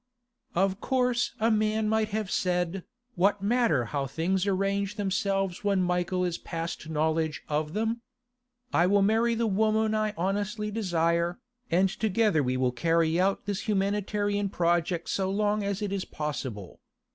Of course a man might have said, 'What matter how things arrange themselves when Michael is past knowledge of them? I will marry the woman I honestly desire, and together we will carry out this humanitarian project so long as it be possible.